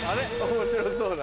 面白そうだ。